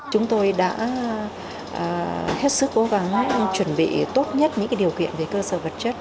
chúng tôi đã hết sức cố gắng chuẩn bị tốt nhất những điều kiện về cơ sở vật chất